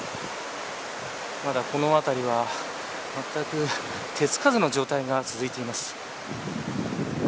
まだこの辺りはまったく手付かずの状態が続いています。